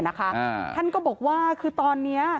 ของคุณดังโมด้วยนะคะท่านก็บอกว่าคือตอนนี้